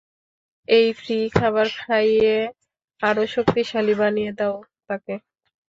এই ফ্রী খাবার খাইয়ে আরো শক্তিশালী বানিয়ে দাও তাকে।